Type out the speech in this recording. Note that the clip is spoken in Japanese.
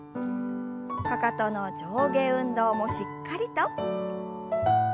かかとの上下運動もしっかりと。